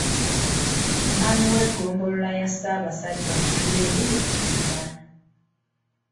Omwami w'eggombolola ya Ssabasajja Mituba II Bukulula.